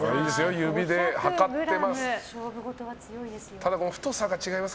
指で量ってます。